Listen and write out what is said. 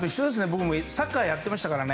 僕もサッカーやってましたから。